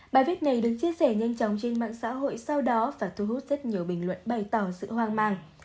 bài viết này được chia sẻ nhanh chóng trên mạng xã hội sau đó và thu hút rất nhiều bình luận bày tỏ sự hoang mang